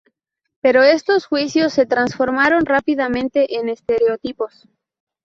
Pero estos juicios se transformaron rápidamente en estereotipos.